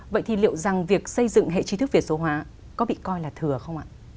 vậy thì liệu rằng việc xây dựng hệ trí thức việt số hóa có bị coi là thừa không ạ